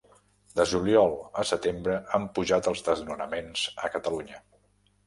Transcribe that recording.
De juliol a setembre han pujat els desnonaments a Catalunya